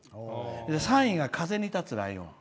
３位が「風に立つライオン」。